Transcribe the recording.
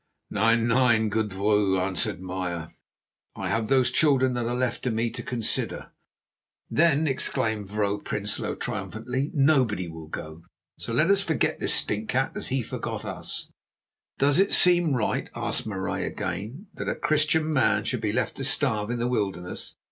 "Nein, nein, good vrouw," answered Meyer, "I have those children that are left to me to consider." "Then," exclaimed Vrouw Prinsloo triumphantly, "nobody will go, so let us forget this stinkcat, as he forgot us." "Does it seem right," asked Marais again, "that a Christian man should be left to starve in the wilderness?"